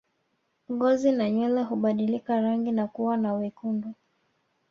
Ngozi na nywele hubadilika rangi na kuwa na wekundu